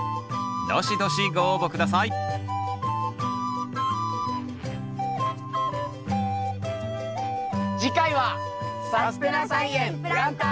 どしどしご応募下さい次回は。